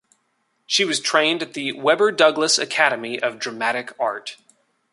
She was trained at the Webber Douglas Academy of Dramatic Art.